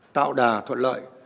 tạo đà thuận lợi